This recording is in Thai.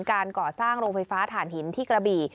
การก่อสร้างโรงไฟฟ้าฐานหินที่กระบี่